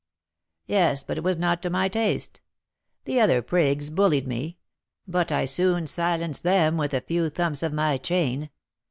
"Yes, but it was not to my taste. The other 'prigs' bullied me; but I soon silenced them with a few thumps of my chain.